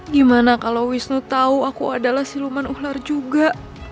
gimana kalau wisnu tahu aku adalah siluman ular juga